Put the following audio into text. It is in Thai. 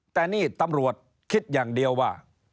แต่นี่ตำรวจคิดอย่างเดียวว่า